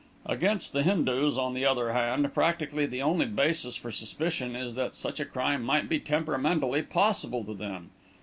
"Against the Hindus, on the other hand, practically the only basis for suspicion is that such a crime might be temperamentally possible to them.